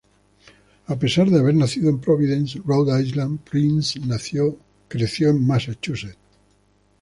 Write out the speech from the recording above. A pesar de haber nacido en Providence, Rhode Island, Price creció en Massachusetts.